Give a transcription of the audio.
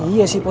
iya si poi